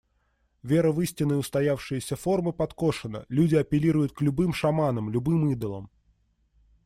Вера в истинные, устоявшиеся формы подкошена, люди апеллируют к любым шаманам, любым идолам.